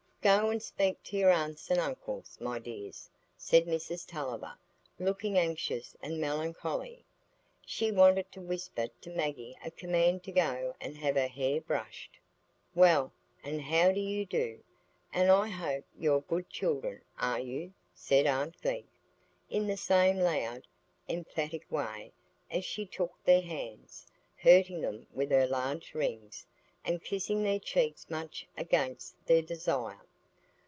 "Go and speak to your aunts and uncles, my dears," said Mrs Tulliver, looking anxious and melancholy. She wanted to whisper to Maggie a command to go and have her hair brushed. "Well, and how do you do? And I hope you're good children, are you?" said Aunt Glegg, in the same loud, emphatic way, as she took their hands, hurting them with her large rings, and kissing their cheeks much against their desire.